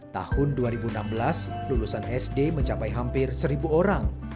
tahun dua ribu enam belas lulusan sd mencapai hampir seribu orang